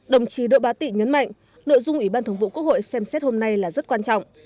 đồng chí đỗ bá tị nhấn mạnh nội dung ủy ban thường vụ quốc hội xem xét hôm nay là rất quan trọng